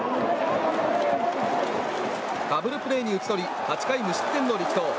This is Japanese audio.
ダブルプレーに打ち取り８回無失点の力投。